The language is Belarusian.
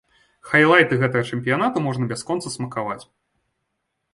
Хайлайты гэтага чэмпіянату можна бясконца смакаваць.